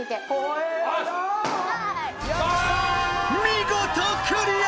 見事クリア！